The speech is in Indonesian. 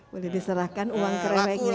boleh diserahkan uang kereweknya